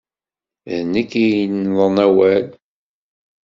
D nekk ay yennḍen awal.